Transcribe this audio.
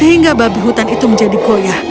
sehingga babi hutan itu menjadi goyah